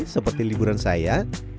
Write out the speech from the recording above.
seperti liburan saya